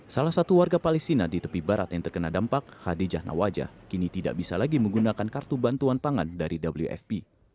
salah satu warga palestina di tepi barat yang terkena dampak hadijah nawajah kini tidak bisa lagi menggunakan kartu bantuan pangan dari wfp